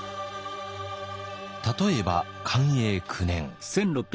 例えば寛永９年。